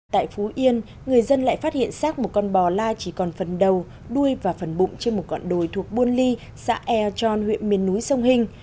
tại phú yên người dân lại phát hiện sát một con bò la chỉ còn phần đầu đuôi và phần bụng trên một con đồi thuộc buôn ly xã eo tron huyện miền núi sông hinh